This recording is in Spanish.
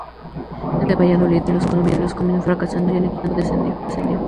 El proyecto del "Valladolid de los colombianos" terminó fracasando y el equipó descendió.